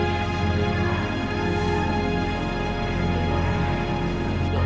yang menjaga kebaikan